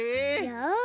よし。